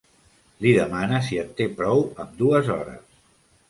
Li demana si en té prou amb dues hores.